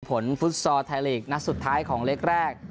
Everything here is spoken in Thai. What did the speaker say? ฟุตซอร์ไทยลีกนัดสุดท้ายของเล็กแรก